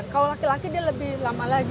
kalau laki laki dia lebih lama lagi